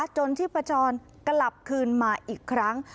จนที่ประจอนกลับคืนมาอีกครั้ง